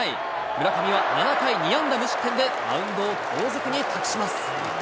村上は７回２安打無失点で、マウンドを後続に託します。